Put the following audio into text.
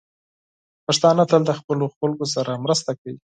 پښتانه تل د خپلو خلکو سره مرسته کوي.